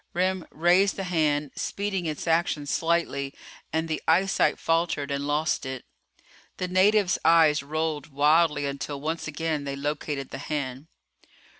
Remm raised the hand speeding its action slightly and the eyesight faltered and lost it. The native's eyes rolled wildly until once again they located the hand.